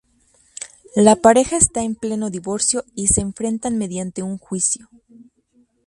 La pareja está en pleno divorcio y se enfrentan mediante un juicio.